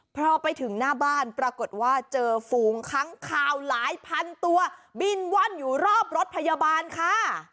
พอไปถึงหน้าบ้านปรากฏว่าเจอฝูงค้างคาวหลายพันตัวบินว่อนอยู่รอบรถพยาบาลค่ะ